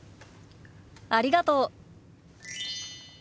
ありがとう。